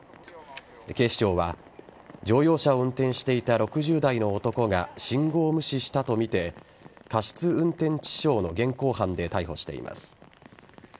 警視庁は、乗用車を運転していた６０代の男が信号無視したとみて過失運転致傷の現行犯で逮捕しています。